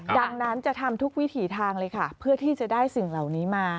ดังนั้นจะทำทุกวิถีทางเลยค่ะเพื่อที่จะได้สิ่งเหล่านี้มา